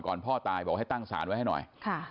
พ่อตายบอกให้ตั้งศาลไว้ให้หน่อย